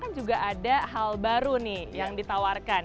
kan juga ada hal baru nih yang ditawarkan